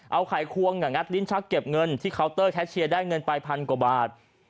เอาไขควงงัดลิ้นชักเก็บเงินที่เคาน์เตอร์แคชเชียร์ได้เงินไปพันกว่าบาท